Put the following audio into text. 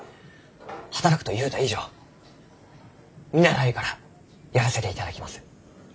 「働く」と言うた以上見習いからやらせていただきます。